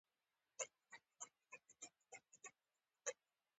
مس د افغانستان د تکنالوژۍ پرمختګ سره تړاو لري.